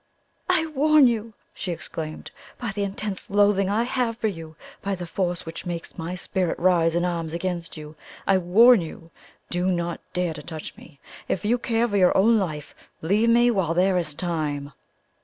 "I warn you!" she exclaimed. "By the intense loathing I have for you; by the force which makes my spirit rise in arms against you, I warn you! Do not dare to touch me! If you care for your own life, leave me while there is time!"